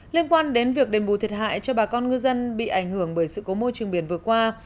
liên quan đến việc đền bù thiệt hại cho bà con ngư dân bị ảnh hưởng bởi sự cố môi trường biển vừa qua